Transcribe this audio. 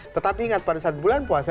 tetapi ingat pada saat bulan puasa